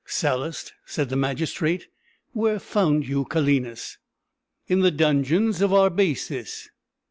"Sallust," said the magistrate, "where found you Calenus?" "In the dungeons of Arbaces."